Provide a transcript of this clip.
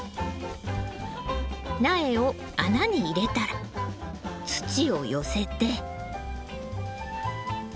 苗を穴に入れたら土を寄せて。